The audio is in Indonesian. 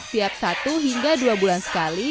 tiap satu hingga dua bulan sekali